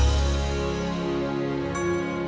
aku sudah berhenti